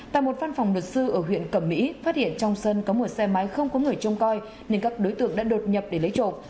tại một phan phòng luật sư ở huyện cẩm mỹ phát hiện trong sân có một xe máy không có người trông coi nên các đối tượng đã đột nhập để lấy trộm